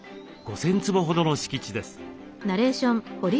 ５，０００坪ほどの敷地です。